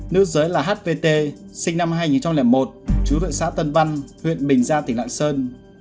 nữ giới là hvt sinh năm hai nghìn một chú vệ xã tân văn huyện bình gia tỉnh lạng sơn